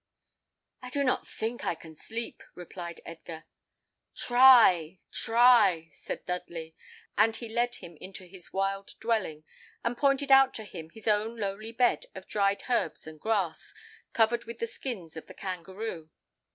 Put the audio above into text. "I do not think I can sleep," replied Edgar. "Try, try," said Dudley; and he led him into his wild dwelling, and pointed out to him his own lowly bed of dried herbs and grass, covered with the skins of the kangaroo.